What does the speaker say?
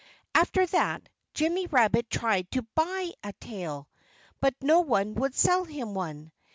After that, Jimmy Rabbit tried to buy a tail; but no one would sell him one.